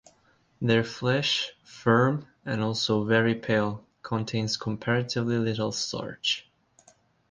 Their flesh, firm and also very pale, contains comparatively little starch.